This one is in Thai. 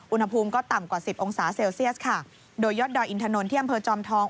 อุณหภูมิก็ต่ำกว่าสิบองศาเซลเซียสค่ะโดยยอดดอยอินถนนที่อำเภอจอมทอง